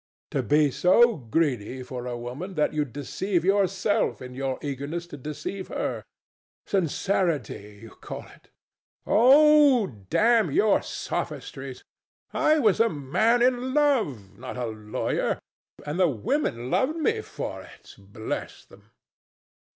To be so greedy for a woman that you deceive yourself in your eagerness to deceive her: sincerity, you call it! THE STATUE. Oh, damn your sophistries! I was a man in love, not a lawyer. And the women loved me for it, bless them!